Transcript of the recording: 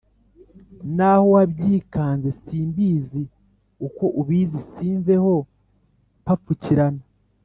N’aho wabyikanze Si mbizi uko ubizi Simveho mpapfukirana